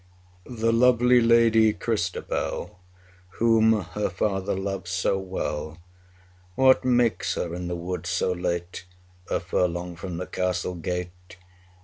The lovely lady, Christabel, Whom her father loves so well, What makes her in the wood so late, 25 A furlong from the castle gate?